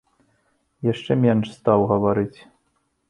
Яшчэ менш стаў гаварыць.